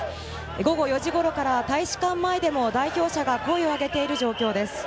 午後４時ごろから大使館前でも代表者が声を上げている状況です。